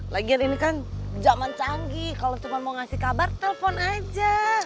lagian ini kan zaman canggih kalau cuma mau ngasih kabar telpon aja